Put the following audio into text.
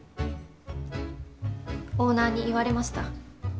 オーナーに言われました。